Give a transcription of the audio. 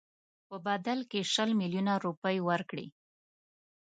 په بدل کې شل میلیونه روپۍ ورکړي.